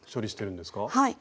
はい。